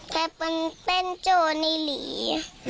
แต่เพลินเป็นโจรนี่หลี